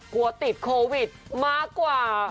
กลัวติดโควิดมากกว่า